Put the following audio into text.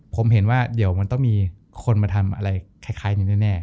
ผมเห็นว่าเดี๋ยวมันต้องมีคนมาทำอะไรคล้ายนี้แน่